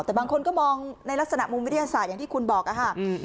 แต่บางคนก็มองในลักษณะมุมวิทยาศาสตร์อย่างที่คุณบอกค่ะ